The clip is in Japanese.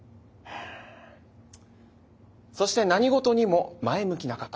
そして何事にも前向きな方。